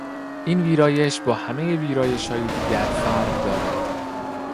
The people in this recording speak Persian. این ویرایش با همهی ویرایشهای دیگر فرق دارد.